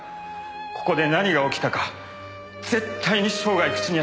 ここで何が起きたか絶対に生涯口にはしません。